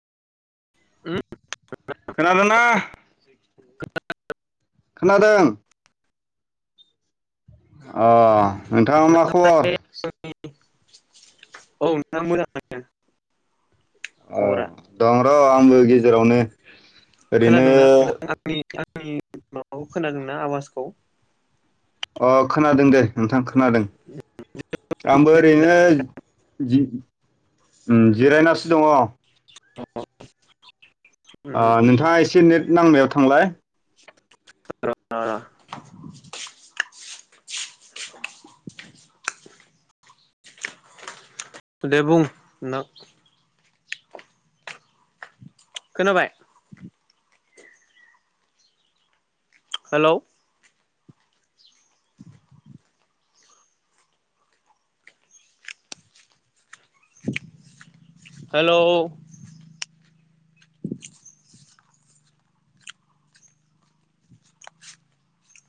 औ खोनादोंना [inaudible] खोनादों अ नोंथाङा मा खबर औ नोंथां [inaudible] अ खबरा दं र' आंबो गेजेरावनो ओरैनो खोनादोंना नोंथां आंनि आंनि माबाखौ खोनादोंना आवाजखौ अ खोनादों दे नोंथां खोनादों आंबो ओरैनो [unintelligible] उम जिरायनासो दङ' उम उम ओ उम नोंथाङा एसे नेट नांनायाव थांलाय [inaudible] दे बुं नोंथां खोनाबाय हेलौ हेलौ